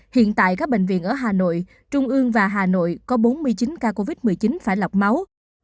hiện tại các bệnh viện ở hà nội trung ương và hà nội có bốn mươi chín ca covid một mươi chín phải lọc máu